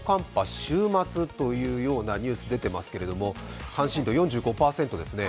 週末というニュースが出ていますけれども、関心度４５％ですね。